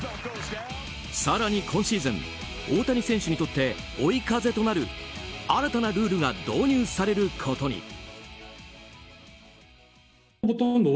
更に、今シーズン大谷選手にとって追い風となる新たなルールが導入されることに。